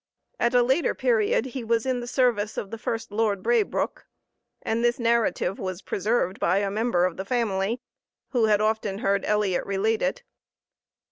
At a later period he was in the service of the first Lord Braybrooke, and this narrative was preserved by a member of the family who had often heard Elliot relate it.